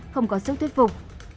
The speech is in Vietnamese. không có sức thuyết phục